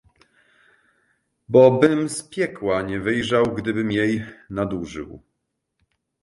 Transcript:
"Bo bym z piekła nie wyjrzał, gdybym jej nadużył."